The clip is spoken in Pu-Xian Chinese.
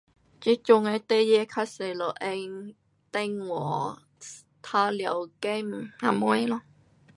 这阵的孩儿较多都用电话 um 玩耍 game 什么咯。